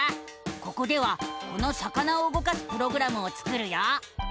ここではこの魚を動かすプログラムを作るよ！